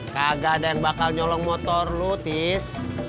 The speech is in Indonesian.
kagak ada yang bakal nyolong motor lu tis